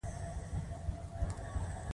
ایا ستاسو باغ مېوه نیولې ده؟